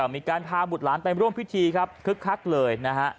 มีการพาบุตรหลานไปร่วมพิธีครับคึกคักเลยนะฮะ